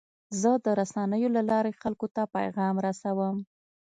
زه د رسنیو له لارې خلکو ته پیغام رسوم.